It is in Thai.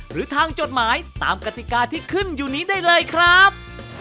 หรือทางจดหมายตามกติกาที่ขึ้นอยู่นี้ได้เลยครับ